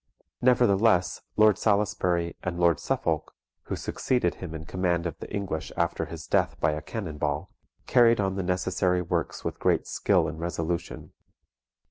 Nevertheless, Lord Salisbury, and Lord Suffolk, who succeeded him in command of the English after his death by a cannon ball, carried on the necessary works with great skill and resolution.